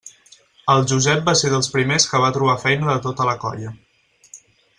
El Josep va ser dels primers que va trobar feina de tota la colla.